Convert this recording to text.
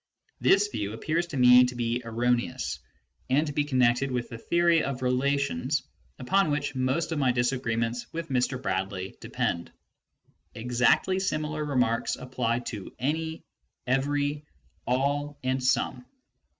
This view appears to me to be erroneous, and to be connected with the theory of relations upon which most of my disagreements with Mr. Bradley depend. Exactly similar remai'ks apply to " any," " every," " all," and " some